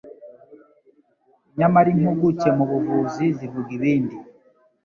Nyamara impuguke mu buvuzi zivuga ibindi